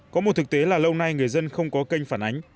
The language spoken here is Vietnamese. có một thực tế là lâu nay người dân không có kênh phản ánh